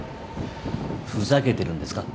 ふざけてるんですか？